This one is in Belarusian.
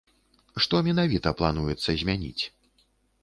Што менавіта плануецца змяніць?